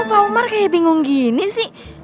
pak umar kayak bingung gini sih